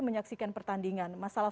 menyaksikan pertandingan masalah